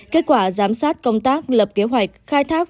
kết quả giám sát công tác lập kế hoạch khai thác